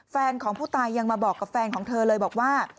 แฟนของผู้ตายยังมาบอกกับแฟนของเธอเลยบอกว่า